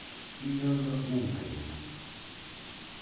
Eagle Mountain